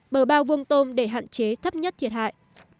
bờ bao vuông tôm để hạn chế thấp nhất thiệt hại